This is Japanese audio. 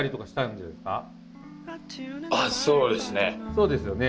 そうですよね。